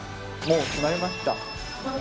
もう決まりました。